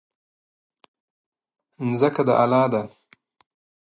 ځمکه د الله ده.